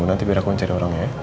nanti biar aku yang cari orangnya ya